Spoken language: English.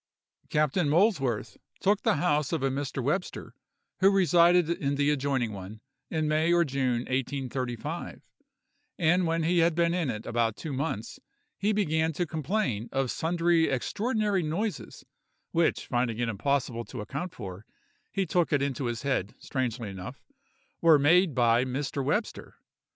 Captain Molesworth took the house of a Mr. Webster, who resided in the adjoining one, in May or June, 1835; and when he had been in it about two months, he began to complain of sundry extraordinary noises, which, finding it impossible to account for, he took it into his head (strangely enough) were made by Mr. Webster.